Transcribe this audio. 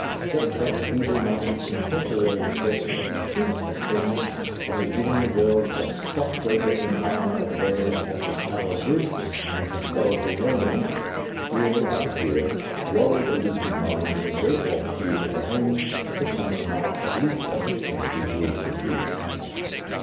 Just that feeble minded contemporary shirking of the truth of things that has given the world such stockbroker in armour affairs as the Tower Bridge and historical romance, will, I fear, worry the lucid mind in a great multitude of the homes that the opening half, at least, of this century will produce.